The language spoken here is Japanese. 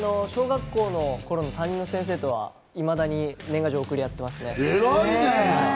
小学校の頃の担任の先生とはいまだに年賀状、送り合ってますね。